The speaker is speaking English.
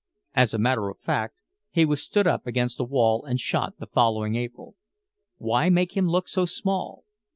(As a matter of fact, he was stood up against a wall and shot the following April.) Why make him look so small?